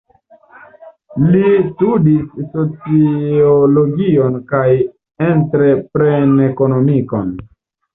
Li studis sociologion kaj entrepren-ekonomikon.